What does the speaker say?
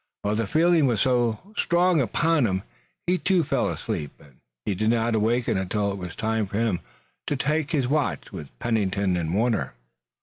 While the feeling was still strong upon him he too fell asleep, and he did not awaken until it was time for him to take the watch with Pennington and Warner.